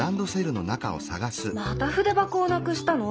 また筆箱をなくしたの？